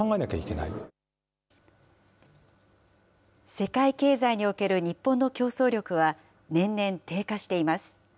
世界経済における日本の競争力は、年々低下しています。